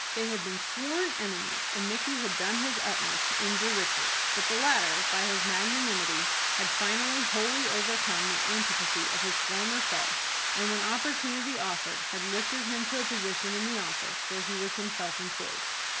They had been sworn enemies, and Micky had done his utmost to injure Richard, but the latter, by his magnanimity, had finally wholly overcome the antipathy of his former foe, and, when opportunity offered, had lifted him to a position in the office where he was himself employed.